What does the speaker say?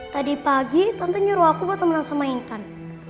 tadi pagi tante nyuruh aku buat temenan sama intan